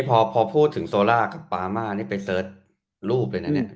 พอพูดถึงโซล่ากับปามานี่ไปเสิร์ชรูปเลยนะเนี่ย